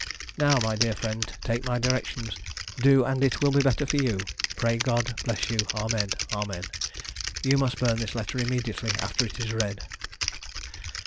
Now, my dear friend, take my directions, do and it will be better for you. Pray God bless you. Amen. Amen. You must burn this letter immediately after it is read."